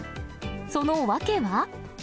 その訳は。